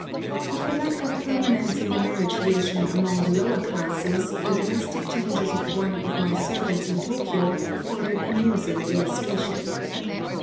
Of the lack of permanence in the marriage relation among the lower classes, the domestic changes of one of my servants in Tōkyō afford an amusing illustration.